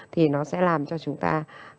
thì nó sẽ làm cho chúng ta